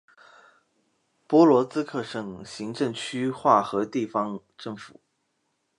波罗兹克省行政区划和地方政府。